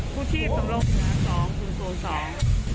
ผู้ชีพตำรวจสองคุณโซนสอง